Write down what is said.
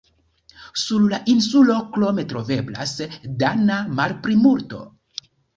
Sur la insulo krome troveblas dana malplimulto.